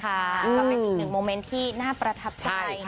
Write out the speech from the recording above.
กลับไปอีกหนึ่งมมติที่น่าประทับใจ